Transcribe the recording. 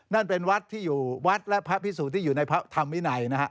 นั่นเป็นวัดที่อยู่วัดและพระพิสุที่อยู่ในพระธรรมวินัยนะฮะ